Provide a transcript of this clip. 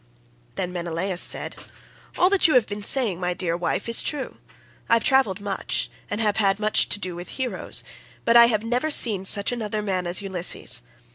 Then Menelaus said, "All that you have been saying, my dear wife, is true. I have travelled much, and have had much to do with heroes, but I have never seen such another man as Ulysses.